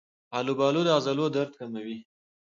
آلوبالو د عضلو درد کموي.